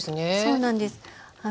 そうなんです。